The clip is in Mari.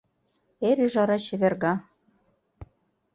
Эр ӱжара чеверга.